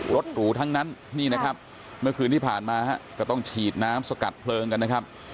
หรูทั้งนั้นนี่นะครับเมื่อคืนที่ผ่านมาฮะก็ต้องฉีดน้ำสกัดเพลิงกันนะครับ